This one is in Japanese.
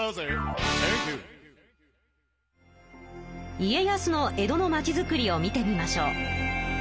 家康の江戸の町づくりを見てみましょう。